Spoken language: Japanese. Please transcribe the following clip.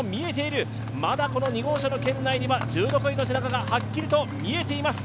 まだこの２号車の圏内には１６位の背中が見えています。